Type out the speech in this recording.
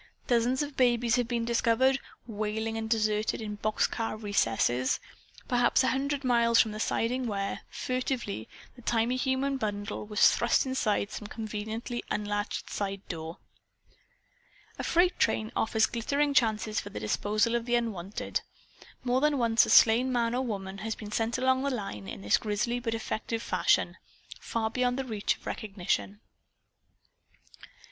Dozens of babies have been discovered, wailing and deserted, in box car recesses; perhaps a hundred miles from the siding where, furtively, the tiny human bundle was thrust inside some conveniently unlatched side door. A freight train offers glittering chances for the disposal of the Unwanted. More than once a slain man or woman has been sent along the line, in this grisly but effective fashion, far beyond the reach of recognition.